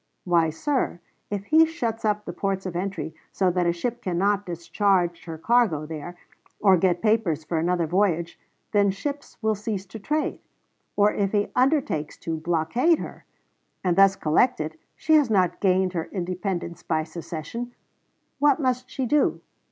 Why, sir, if he shuts up the ports of entry so that a ship cannot discharge her cargo there, or get papers for another voyage, then ships will cease to trade; or, if he undertakes to blockade her, and thus collect it, she has not gained her independence by secession. What must she do?